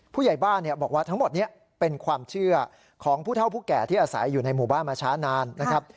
ผู้ใหญ่บ้านบอกว่าทั้งหมดนี้เป็นความเชื่อของผู้เท่าผู้แก่ที่อาศัยอยู่ในหมู่บ้านมาช้านานนะครับ